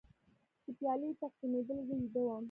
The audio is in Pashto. چې پیالې تقسیمېدلې زه ویده وم.